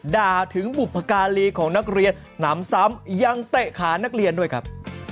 ด่าถึงบุพการีของนักเรียนหนำซ้ำยังเตะขานักเรียนด้วยครับ